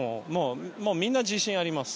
もうみんな自信があります。